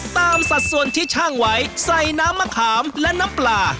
สัดส่วนที่ช่างไว้ใส่น้ำมะขามและน้ำปลา